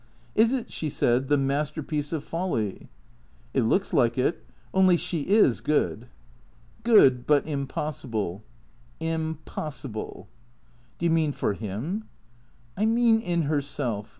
" Is it," she said, " the masterpiece of folly ?"" It looks like it. Only, she is good." *' Good, but impossible." " Im possible." " Do you mean — for Him ?"" I mean in herself.